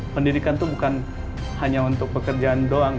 pendidikan itu bukan hanya untuk pekerjaan doang